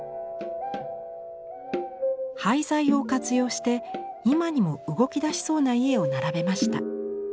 廃材を活用して今にも動きだしそうな家を並べました。